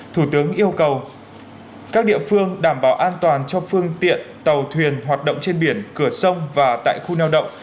thủ tướng yêu cầu các địa phương đảm bảo an toàn cho phương tiện tàu thuyền hoạt động trên biển cửa sông và tại khu neo đậu